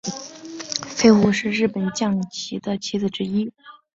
飞鹫是日本将棋的棋子之一。